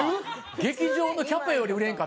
劇場のキャパより売れんかった？